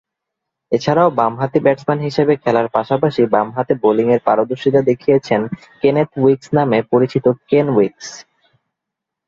এছাড়াও, বামহাতি ব্যাটসম্যান হিসেবে খেলার পাশাপাশি বামহাতে বোলিংয়ে পারদর্শীতা দেখিয়েছেন কেনেথ উইকস নামে পরিচিত কেন উইকস।